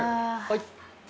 はい。